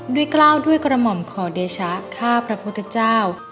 กล้าวด้วยกระหม่อมขอเดชะข้าพระพุทธเจ้า